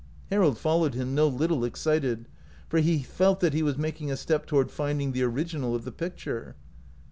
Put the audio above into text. Harold followed him, no little excited, for he felt that he was making a step toward find ing the original of the picture.